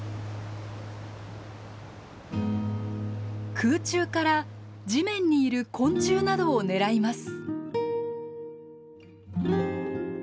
空中から地面にいる昆虫などを狙います。